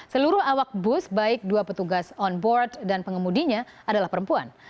seluruh awak bus baik dua petugas on board dan pengemudinya adalah perempuan